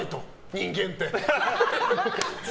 人間って。